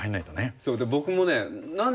そうで僕もね